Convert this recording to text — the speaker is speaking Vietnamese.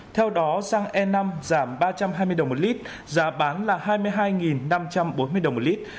theo đó xăng e năm giảm ba trăm hai mươi đồng một lít giá bán là hai mươi hai năm trăm bốn mươi đồng một lít